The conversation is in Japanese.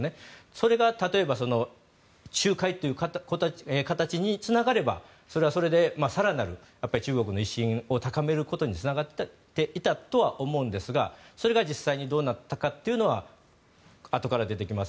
それが例えば、仲介という形につながればそれはそれで更なる中国の威信を高めることにつながっていたとは思うんですがそれが実際にどうなったかというのはあとから出てきます